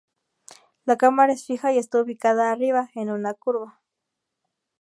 La cámara es fija y está ubicada arriba, en una curva.